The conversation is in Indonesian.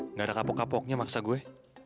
nggak ada kapok kapoknya maksa gue